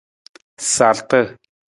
Sarta.